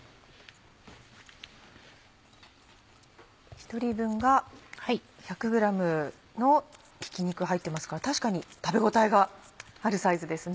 １人分が１００ｇのひき肉入ってますから確かに食べ応えがあるサイズですね。